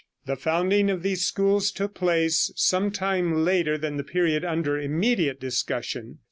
The founding of these schools took place some time later than the period under immediate discussion.